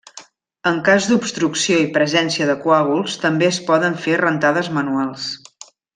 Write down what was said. En cas d'obstrucció i presència de coàguls, també es poden fer rentades manuals.